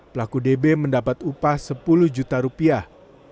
pelaku db mendapat upah sepuluh juta rupiah